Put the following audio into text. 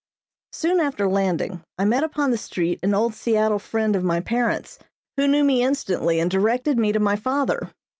Soon after landing I met upon the street an old Seattle friend of my parents, who knew me instantly and directed me to my father.